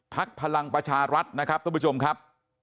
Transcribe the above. พลังประชารัฐนะครับทุกผู้ชมครับ